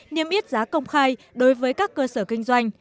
niêm yết giá công khai đối với các cơ sở kinh doanh